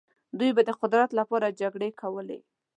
دوی به د قدرت لپاره جګړې کولې.